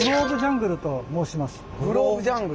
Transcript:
グローブジャングル。